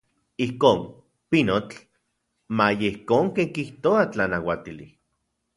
Ijkon, pinotl, maya ijkon ken kijtoa tlanauatili.